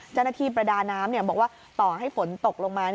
เจ้าหน้าที่ประดาน้ำบอกว่าต่อให้ฝนตกลงมา